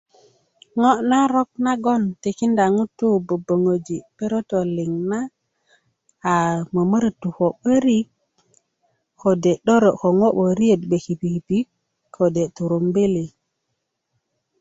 ŋö narok nagoŋ tikinda ŋutu boboŋogi' perotoliŋ na a momoro'tu ko 'borik kode' 'doro ko ŋo woriet 'be 'doro kode' kipikipik kode turumbili